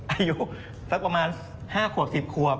อายุสักประมาณ๕ขวบ๑๐ขวบ